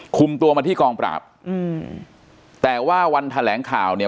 คุมตัวมาที่กองปราบอืมแต่ว่าวันแถลงข่าวเนี่ย